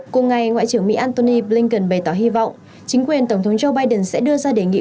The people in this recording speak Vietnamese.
cùng ngày ngoại trưởng mỹ antony blinken bày tỏ hy vọng chính quyền tổng thống joe biden sẽ đưa ra đề nghị